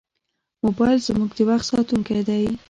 موبایل زموږ د وخت ساتونکی دی.